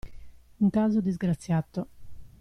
Un caso disgraziato!